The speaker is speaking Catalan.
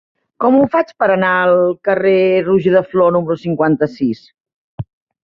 Com ho faig per anar al carrer de Roger de Flor número cinquanta-sis?